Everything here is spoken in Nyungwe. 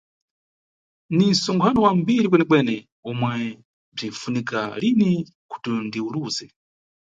Ni nʼtsonkhano wa mbiri kwenekwene, omwe bzinʼfunika lini kuti ndiwuluze.